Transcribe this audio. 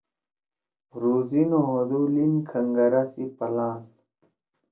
روزی نہ ہودُو لیِن کھنگرا سی پلان